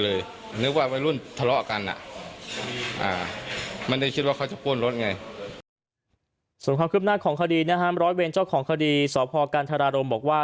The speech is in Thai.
ส่วนความคืบหน้าของคดีนะฮะร้อยเวรเจ้าของคดีสพกันธรารมบอกว่า